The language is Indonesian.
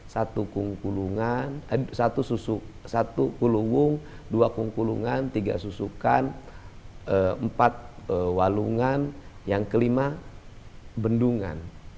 satu kung kulungan satu susuk satu kulungung dua kung kulungan tiga susukan empat walungan yang kelima bendungan